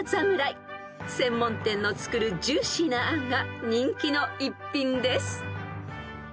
［専門店の作るジューシーなあんが人気の一品です］